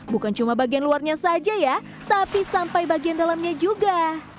bukan cuma bagian luarnya saja ya tapi sampai bagian dalamnya juga